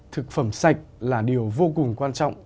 thực phẩm sạch là điều vô cùng quan trọng